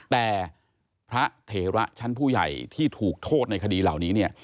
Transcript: แต่พระเถระชั้นผู้ใหญ่ที่ถูกโทษในคดีเหล่านี้เนี่ย